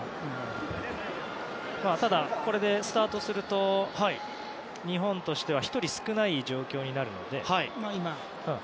ただこれでスタートすると日本としては１人少ない状況になるので。